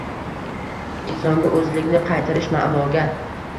insonga o‘zligini qaytarish ma’noga